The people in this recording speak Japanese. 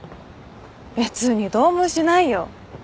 別にどうもしないよ。